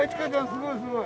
すごいすごい。